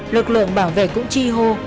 lực lượng bảo vệ cũng chi hô